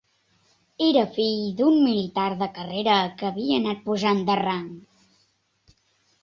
Era fill d'un militar de carrera que havia anat pujant de rang.